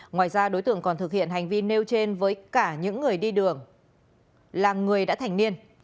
ngoài ra đối tượng còn thực hiện hành vi nêu trên với cả những người đi đường là người đã thành niên